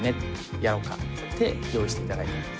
やろうかっていって用意していただいたんです